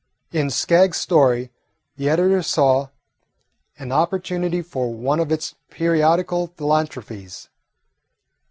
In Skaggs's story the editor saw an opportunity for one of its periodical philanthropies.